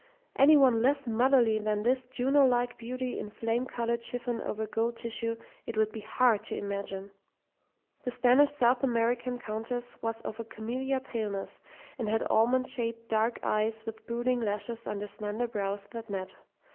Any one less motherly than this Juno like beauty in flame coloured chiffon over gold tissue it would be hard to imagine. The Spanish South American Countess was of a camelia paleness, and had almond shaped dark eyes with brooding lashes under slender brows that met.